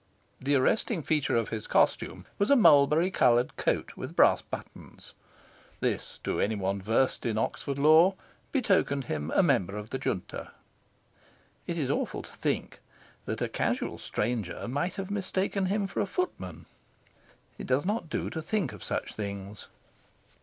The arresting feature of his costume was a mulberry coloured coat, with brass buttons. This, to any one versed in Oxford lore, betokened him a member of the Junta. It is awful to think that a casual stranger might have mistaken him for a footman. It does not do to think of such things.